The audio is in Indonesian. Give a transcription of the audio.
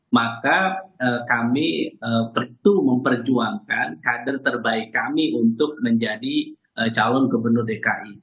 maka kami perlu memperjuangkan kader terbaik kami untuk menjadi calon gubernur dki